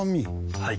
はい。